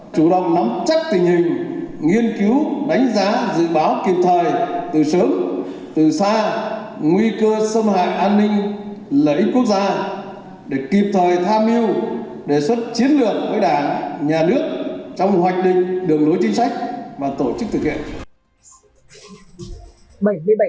chủ động nắm chắc tình hình nghiên cứu đánh giá dự báo kịp thời từ sớm từ xa nguy cơ xâm hại an ninh lợi ích quốc gia để kịp thời tham mưu đề xuất chiến lược với đảng nhà nước trong hoạch định đường lối chính sách và tổ chức thực hiện